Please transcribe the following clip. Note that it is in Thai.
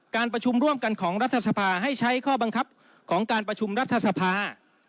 การประชุมร่วมกันของรัฐสภาให้ใช้ข้อบังคับของการประชุมรัฐสภา